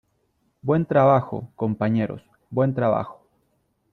Buen trabajo , compañeros . Buen trabajo .